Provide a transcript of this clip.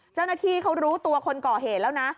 เจ้าหน้าที่เขารู้ตัวคนก่อเหตุแล้วนะ